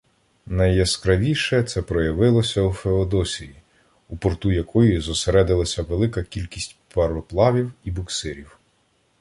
Найяскравіше це проявилося у Феодосії, у порту якої зосередилася велика кількість пароплавів і буксирів.